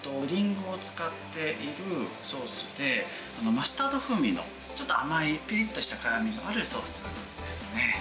りんごを使っているソースで、マスタード風味の、ちょっと甘い、ぴりっとした辛みのあるソースですね。